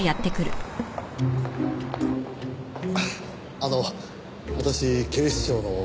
あの私警視庁の。